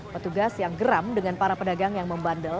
petugas yang geram dengan para pedagang yang membandel